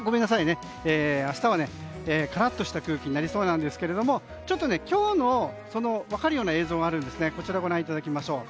明日はカラッとした空気になりそうなんですが今日の分かるような映像があるのでご覧いただきましょう。